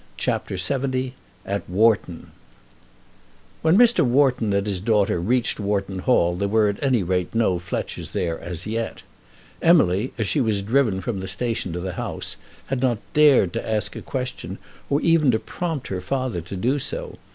CHAPTER LXX At Wharton When Mr. Wharton and his daughter reached Wharton Hall there were at any rate no Fletchers there as yet. Emily, as she was driven from the station to the house, had not dared to ask a question or even to prompt her father to do so.